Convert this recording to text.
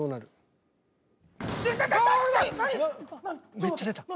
めっちゃ出た。